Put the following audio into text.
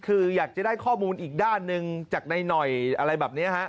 คืออยากจะได้ข้อมูลอีกด้านหนึ่งจากนายหน่อยอะไรแบบนี้ฮะ